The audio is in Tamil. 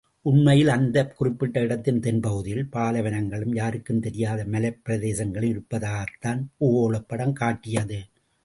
உண்மையில் அந்தக் குறிப்பிட்ட இடத்தின் தென்பகுதியில், பாலைவனங்களும், யாருக்கும் தெரியாத மலைப்பிரதேசங்களும் இருப்பதாகத்தான் பூகோளப் படம் காட்டியது.